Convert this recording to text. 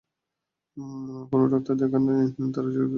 কোনো ডাক্তার দেখান তাকে, তার চিকিৎসার প্রয়োজন।